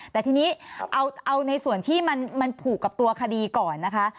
แต่ทีนี้เอาในส่วนที่มันผูกกับตัวคดีก่อนนะคะ